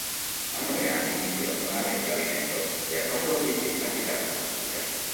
A nove anni iniziò a suonare il clarinetto e a quattordici la chitarra classica.